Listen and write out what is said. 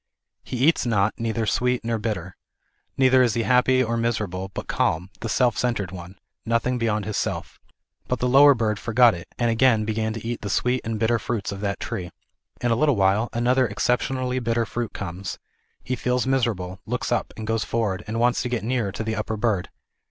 He eats not, neither sweet nor bitter. Neither is he happy nor miserable, but calm, the self centred one, nothing beyond his self. But the lower bird forgot it, and again began to eat the sweet and bitter fruits of that tree. In a little while another exceptionally bitter fruit comes ; he feels miserable, looks up, and goes forward, and wants to get nearer to the upper bird.